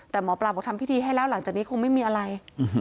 แต่หมอปลาบอกทำพิธีให้แล้วหลังจากนี้คงไม่มีอะไร